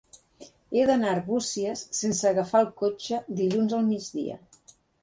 He d'anar a Arbúcies sense agafar el cotxe dilluns al migdia.